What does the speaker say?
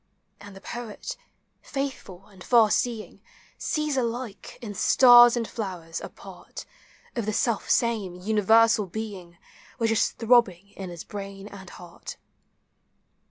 And the poet, faithful and far seeing, Sees alike, in stars and flowers, ;i pari Of the self same, universal being Which is throbbing in llis brain and heart.